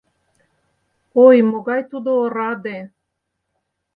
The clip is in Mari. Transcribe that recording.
Ой, могай тудо ораде!..